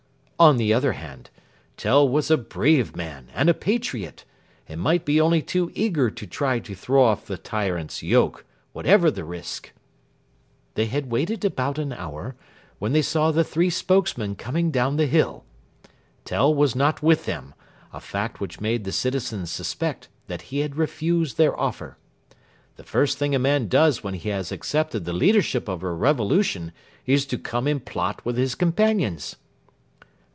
On the other hand, Tell was a brave man and a patriot, and might be only too eager to try to throw off the tyrant's yoke, whatever the risk. They had waited about an hour, when they saw the three spokesmen coming down the hill. Tell was not with them, a fact which made the citizens suspect that he had refused their offer. The first thing a man does when he has accepted the leadership of a revolution is to come and plot with his companions.